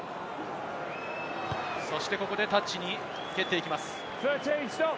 ここでタッチに蹴っていきます。